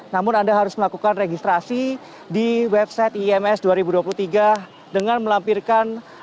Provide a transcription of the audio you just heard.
namun anda harus melakukan registrasi di website ims dua ribu dua puluh tiga dengan melampirkan